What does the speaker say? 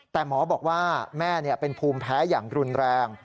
แต่หมอบอกว่าแม่เป็นภูมิแพ้อย่างรุนแรง